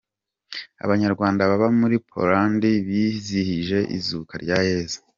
Abanyarwanda baba murI Polandi bizihije Izuka ryayezu